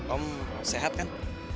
om sehat kan